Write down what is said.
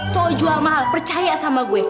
so jual mahal percaya sama gue